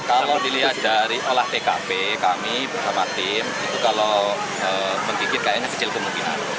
kalau dilihat dari olah tkp kami bersama tim itu kalau menggigit kayaknya kecil kemungkinan